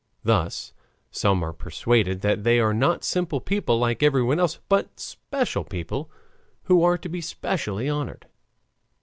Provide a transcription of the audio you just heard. Thus some are persuaded that they are not simple people like everyone else, but special people who are to be specially honored.